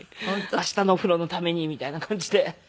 明日のお風呂のためにみたいな感じで。